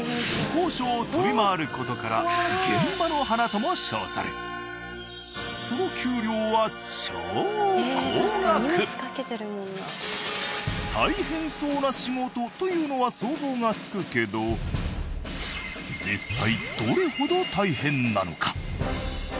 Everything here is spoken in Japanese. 高所を飛び回る事から現場の華とも称されその給料は大変そうな仕事というのは想像がつくけど実際どれほど大変なのか？